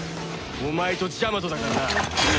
お前とジャマトだからな。